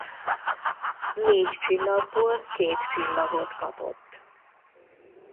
Négy csillagból két csillagot kapott.